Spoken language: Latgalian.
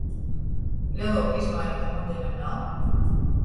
Leluoka izmāra itam modeļam nav?